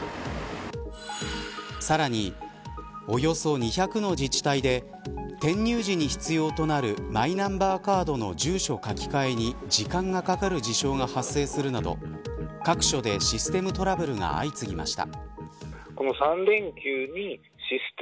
さらに、およそ２００の自治体で転入時に必要となるマイナンバーカードの住所書き換えに時間がかかる事象が発生するなど各所でシステムトラブルが相次ぎました。